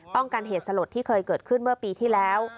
กันเหตุสลดที่เคยเกิดขึ้นเมื่อปีที่แล้ว